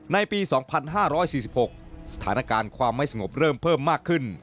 ในปี๒๕๔๖สถานการณ์ความไม่สงบเริ่มเพิ่มมากขึ้น